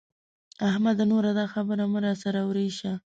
احمده! نور دا خبره مه را سره ورېشه.